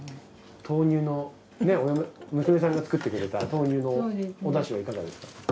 豆乳の娘さんが作ってくれた豆乳のおだしはいかがですか？